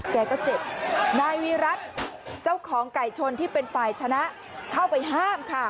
แกก็เจ็บนายวิรัติเจ้าของไก่ชนที่เป็นฝ่ายชนะเข้าไปห้ามค่ะ